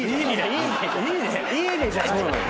⁉「いいね」じゃない！